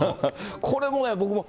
これもね、僕も。